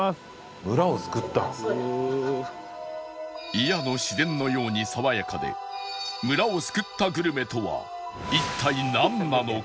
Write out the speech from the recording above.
祖谷の自然のように爽やかで村を救ったグルメとは一体なんなのか？